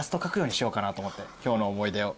今日の思い出を。